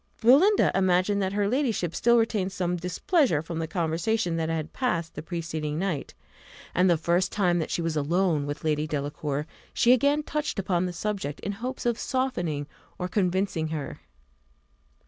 Belinda imagined that her ladyship still retained some displeasure from the conversation that had passed the preceding night, and the first time that she was alone with Lady Delacour, she again touched upon the subject, in hopes of softening or convincing her.